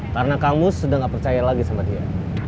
karena kamu sudah gak percaya lagi sama dia